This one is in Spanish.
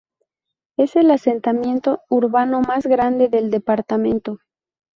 Es el asentamiento urbano más grande del departamento.